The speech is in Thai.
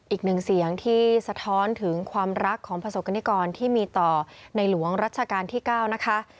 อีกหนึ่งเสียงที่สะท้อนถึงความรักของประสบกรณิกรที่มีต่อในหลวงรัชกาลที่๙นะคะ